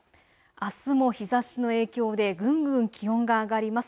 あすも日ざしの影響でぐんぐん気温が上がります。